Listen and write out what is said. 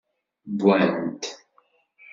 Wwant.